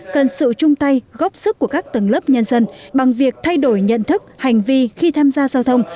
cần sự chung tay góp sức của các tầng lớp nhân dân bằng việc thay đổi nhận thức hành vi khi tham gia giao thông